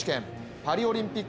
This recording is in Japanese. パリオリンピック